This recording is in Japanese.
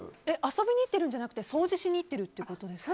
遊びに行ってるんじゃなくて掃除しに行ってるんですか？